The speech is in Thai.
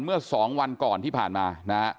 เมื่อสองวันก่อนที่ผ่านมา